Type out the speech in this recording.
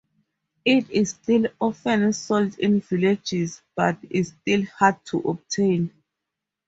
It is still often sold in villages, but is still hard to obtain.